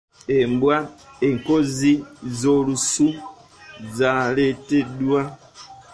Embwa enkonzi z'olusu zaaleeteddwa.